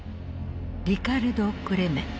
リカルド・クレメント。